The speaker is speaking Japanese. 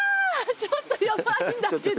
ちょっとヤバいんだけど。